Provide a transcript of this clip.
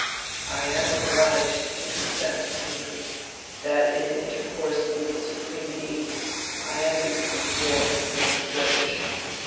'I am obliged to confess,' he notes, 'that in my intercourse with the Supreme Being, I am be come more and more sluggish.'